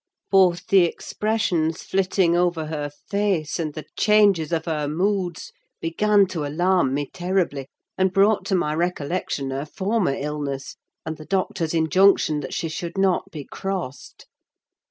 Both the expressions flitting over her face, and the changes of her moods, began to alarm me terribly; and brought to my recollection her former illness, and the doctor's injunction that she should not be crossed.